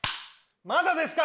まだですか？